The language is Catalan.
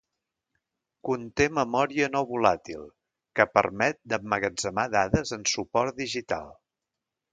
Conté memòria no volàtil que permet d'emmagatzemar dades en suport digital.